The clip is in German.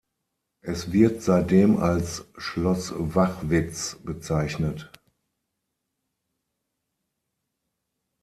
Es wird seitdem als Schloss Wachwitz bezeichnet.